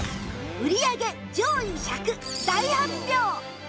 売り上げ上位１００大発表！